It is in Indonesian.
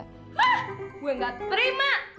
hah gue ga terima